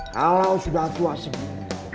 kalau sudah tua segini